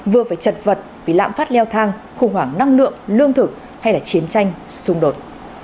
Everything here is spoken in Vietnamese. vừa phải chật vật vì lãm phát leo thang khủng hoảng năng lượng lương thực hay là chiến tranh xung đột